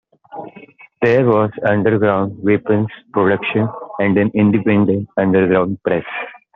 There was underground weapons production and an independent underground press.